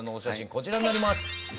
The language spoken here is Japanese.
こちらになります。